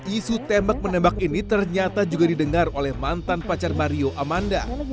isu tembak menembak ini ternyata juga didengar oleh mantan pacar mario amanda